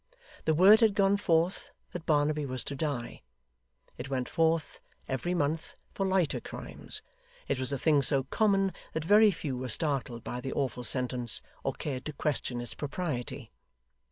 The word had gone forth that Barnaby was to die. It went forth, every month, for lighter crimes. It was a thing so common, that very few were startled by the awful sentence, or cared to question its propriety.